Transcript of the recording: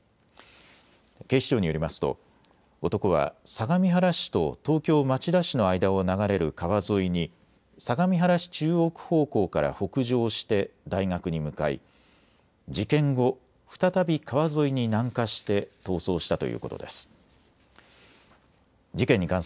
警視庁によりますと男は相模原市と東京町田市の間を流れる川沿いに相模原市中央区方向から北上して大学に向かい、事件後、再び川沿いに南下して逃走したということです。